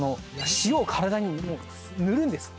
塩を体に塗るんです。